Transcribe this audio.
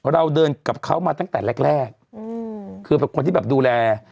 เราเดินกับเขามาตั้งแต่แรกคือเป็นคนที่แบบดูแล